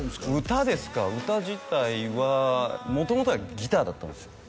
歌ですか歌自体は元々はギターだったんですよ